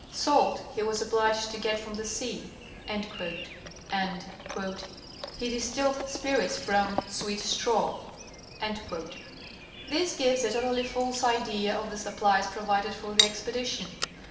Salt he was obliged to get from the sea," and ''he distilled spirits from 'sweet straw.'" This gives a totally false idea of the supplies provided for the expedi tion.